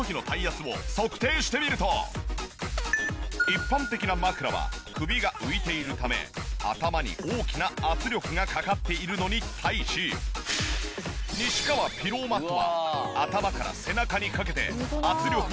一般的な枕は首が浮いているため頭に大きな圧力がかかっているのに対し西川ピローマットは頭から背中にかけて圧力を分散。